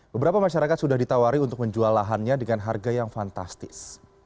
beberapa masyarakat sudah ditawari untuk menjual lahannya dengan harga yang fantastis